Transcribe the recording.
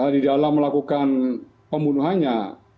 di dalam melakukan pembunuhannya